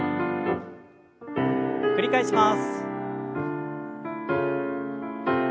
繰り返します。